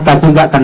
tapi tidak akan